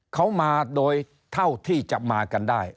เขามาโดยเท่าที่จะมากันได้